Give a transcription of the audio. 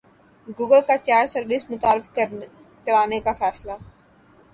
Google کا chat service متعارف کرانے کا فیصلہ